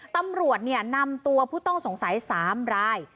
ตำรวจนำตัวผู้ต้องสงสัย๓ราย